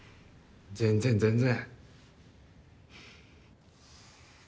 全然全然。